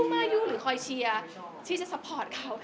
มายูหรือคอยเชียร์ที่จะซัพพอร์ตเขา